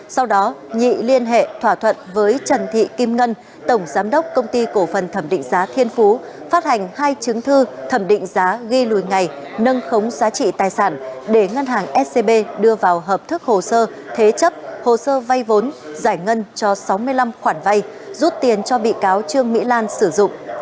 sau đó nhị liên hệ thỏa thuận với trần thị kim ngân tổng giám đốc công ty cổ phần thẩm định giá thiên phú phát hành hai chứng thư thẩm định giá ghi lùi ngày nâng khống giá trị tài sản để ngân hàng scb đưa vào hợp thức hồ sơ thế chấp hồ sơ vay vốn giải ngân cho sáu mươi năm khoản vay rút tiền cho bị cáo trương mỹ lan sử dụng